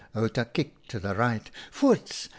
— Outa kicked to the right. " Voerts